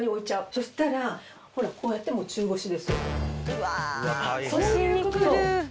そうしたらほらこうやってもう「うわ腰にくる！」